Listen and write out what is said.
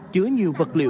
chứa nhiều vật liệu